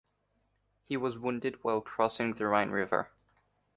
He was wounded while crossing the Rhine River.